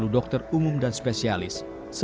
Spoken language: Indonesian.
enam puluh dokter umum dan spesialis